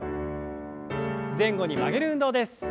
前後に曲げる運動です。